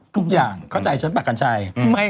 ทุกอย่างเขาจ่ายฉันปรักกันชัย